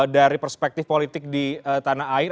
dari perspektif politik di tanah air